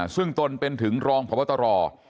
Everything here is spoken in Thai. ซึ่งตนเป็นถึงรองพบตร